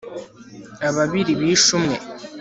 ababiri bishe mwe